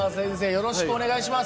よろしくお願いします。